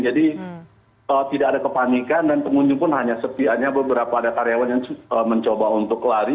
jadi tidak ada kepanikan dan pengunjung pun hanya setiapnya beberapa ada karyawan yang mencoba untuk lari